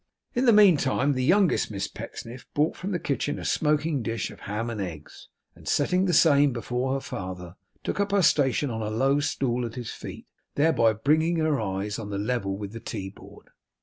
In the meantime the youngest Miss Pecksniff brought from the kitchen a smoking dish of ham and eggs, and, setting the same before her father, took up her station on a low stool at his feet; thereby bringing her eyes on a level with the teaboard.